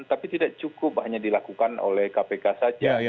tapi tidak cukup hanya dilakukan oleh kpk saja